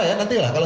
ya sudah di jokowi